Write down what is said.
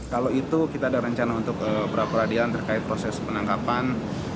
kalau itu kita ada rencana untuk pra peradilan terkait proses penangkapan